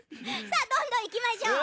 さあどんどんいきましょう。